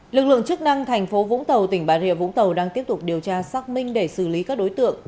lực lượng chức năng thành phố vũng tàu tỉnh bà rịa vũng tàu đang tiếp tục điều tra xác minh để xử lý các đối tượng